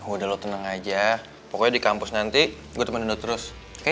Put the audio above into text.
udah lo tenang aja pokoknya di kampus nanti gue temenin lo terus oke